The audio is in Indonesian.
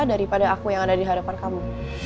daripada aku yang ada di hadapan kamu